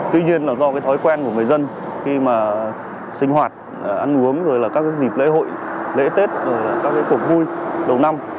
tuy nhiên là do cái thói quen của người dân khi mà sinh hoạt ăn uống rồi là các dịp lễ hội lễ tết rồi các cái cuộc vui đầu năm